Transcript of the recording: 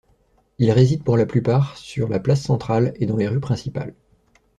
Ils résident pour la plupart sur la place centrale et dans les rues principales.